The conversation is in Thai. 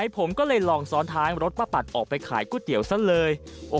ผมก็เลยลองซ้อนท้ายรถมาปัดออกไปขายก๋วยเตี๋ยวซะเลย